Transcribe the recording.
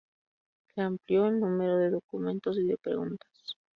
Se amplió el número de documentos y de preguntas.